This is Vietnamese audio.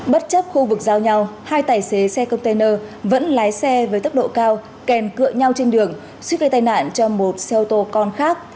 bất chấp khu vực giao nhau hai tài xế xe container vẫn lái xe với tốc độ cao kèm cựa nhau trên đường suýt gây tai nạn cho một xe ô tô con khác